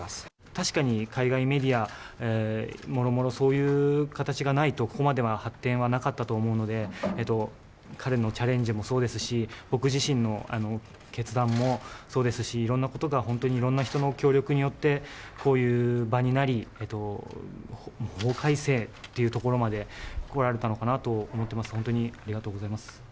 確かに海外メディア、もろもろそういう形がないと、ここまでは発展はなかったと思うので、彼のチャレンジもそうですし、僕自身の決断もそうですし、いろんなことが、本当にいろんな人の協力によって、こういう場になり、法改正っていうところまでこられたのかなと思っています。